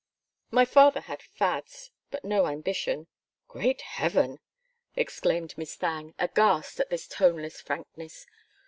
My father had fads but no ambition." "Great heaven!" exclaimed Miss Thangue, aghast at this toneless frankness.